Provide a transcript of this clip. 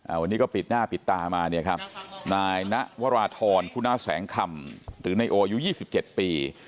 วันนี้ก็ปิดหน้าปิดตามาเนี่ยครับนายนวรทรคุณาแสงคำหรือนายโออยู่๒๗ปี